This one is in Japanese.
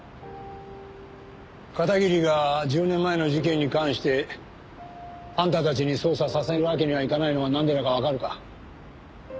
片桐が１０年前の事件に関してあんたたちに捜査させるわけにはいかないのはなんでだかわかるか？